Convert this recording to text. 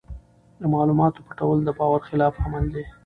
د معلوماتو پټول د باور خلاف عمل دی.